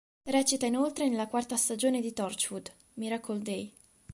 Recita inoltre nella quarta stagione di Torchwood: Miracle Day.